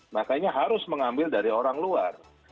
makanya harus mengambil dari orang luar